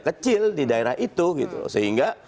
kecil di daerah itu gitu sehingga